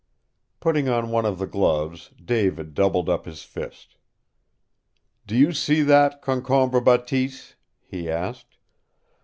Putting on one of the gloves, David doubled up his fist. "Do you see that, Concombre Bateese?" he asked.